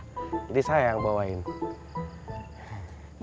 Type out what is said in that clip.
jadi saya yang bawa ini